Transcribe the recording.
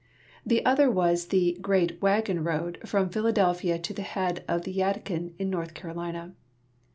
The other was " The Great Waggon Road " from Phil adelphia to the head of the Yadkin, in North Carolina.